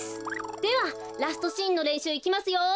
ではラストシーンのれんしゅういきますよ。